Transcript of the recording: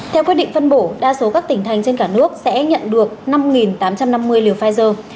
theo quyết định phân bổ đa số các tỉnh thành phố và bệnh viện trên cả nước sẽ nhận được năm tám trăm năm mươi liều pfizer